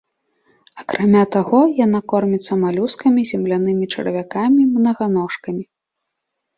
Акрамя таго, яна корміцца малюскамі, землянымі чарвякамі, мнаганожкамі.